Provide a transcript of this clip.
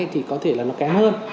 thì có thể là nó kém hơn